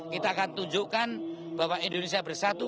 kita akan tunjukkan bahwa indonesia bersatu